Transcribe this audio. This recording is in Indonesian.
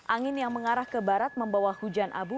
angin yang mengarah ke barat membawa hujan abu